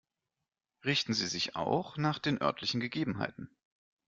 Richten Sie sich auch nach den örtlichen Gegebenheiten.